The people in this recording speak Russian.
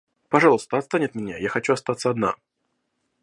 Пожалуйста, отстань от меня, я хочу остаться одна.